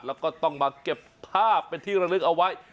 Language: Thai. แล้วก็ต้องมาเก็บภาพเป็นที่ระลึกเอาไว้